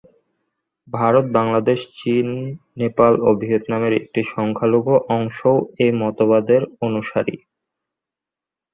ভারত, বাংলাদেশ, চীন, নেপাল ও ভিয়েতনামের একটি সংখ্যালঘু অংশও এই মতবাদে অনুসারী।